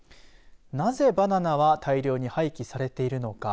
なぜバナナは大量に廃棄されているのか。